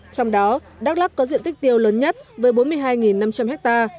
trong đó đắk lắc có diện tích tiêu lớn nhất với bốn mươi hai năm trăm linh ha